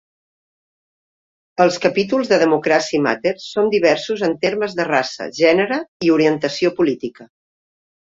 Els capítols de Democracy Matters són diversos en termes de raça, gènere i orientació política.